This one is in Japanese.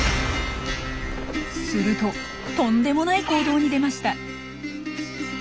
するととんでもない行動に出ました。